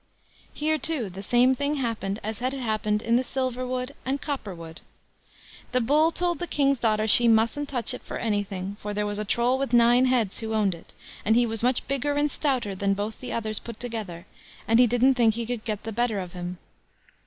Here, too, the same thing happened as had happened in the silver wood and copper wood. The Bull told the King's daughter she mustn't touch it for anything, for there was a Troll with nine heads who owned it, and he was much bigger and stouter than both the others put together; and he didn't think he could get the better of him.